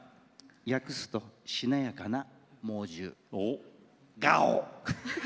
訳すとしなやかな猛獣、ガオー！